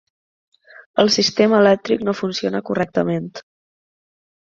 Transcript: El sistema elèctric no funciona correctament.